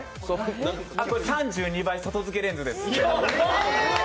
これ３２倍外付けレンズです。